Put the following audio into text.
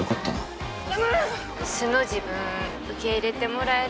素の自分受け入れてもらえるって自信ある？